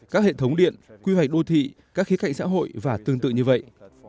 các hệ thống điện quy hoạch đô thị các khía cạnh xã hội và tương tự như vậy